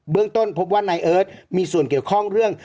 เรื่องต้นพบว่านายเอิร์ทมีส่วนเกี่ยวข้องเรื่อง